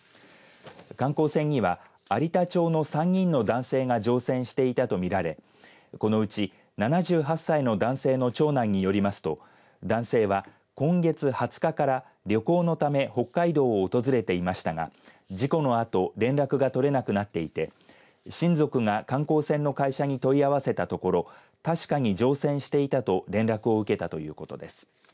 観光船には有田町の３人の男性が乗船していたと見られ、このうち７８歳の男性の長男によりますと男性は今月２０日から旅行のため北海道を訪れていましたが事故のあと連絡が取れなくなり親族が観光船の会社に問い合わせたところ確かに乗船していたと連絡を受けたということです。